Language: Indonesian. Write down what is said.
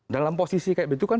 dalam posisi kayak gitu kan